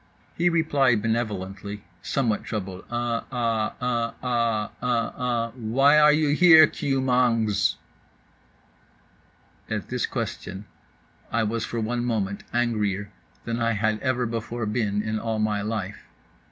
He replied benevolently, somewhat troubled "uh ah uh ah uh ah—why are you here, KEW MANGZ?" At this question I was for one moment angrier than I had ever before been in all my life.